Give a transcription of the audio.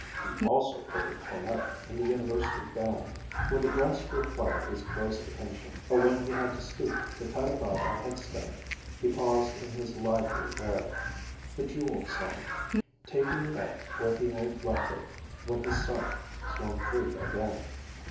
(He also played the cornet in the University band.) When the grass required his close attention, or when he had to stoop to cut about a head stone, he paused in his lively air,—the "Jewel" song,—taking it up where he had left it when his scythe swung free again.